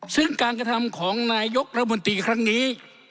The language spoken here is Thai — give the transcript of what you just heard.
ซึ่งการกระทำของนายกรัฐมนตรีครั้งนี้